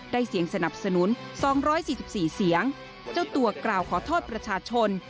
เสียงสนับสนุน๒๔๔เสียงเจ้าตัวกล่าวขอโทษประชาชน